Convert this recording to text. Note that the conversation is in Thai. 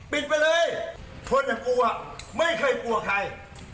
ปิดไปเลยคนอย่างกูอ่ะไม่เคยกลัวใคร